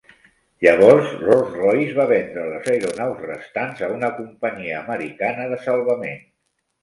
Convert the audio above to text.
Llavors, Rolls-Royce va vendre les aeronaus restants a una companyia americana de salvament.